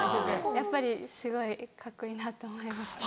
やっぱりすごいカッコいいなと思いました。